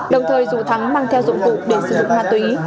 đồng thời dù thắng mang theo dụng cụ để sử dụng ma túy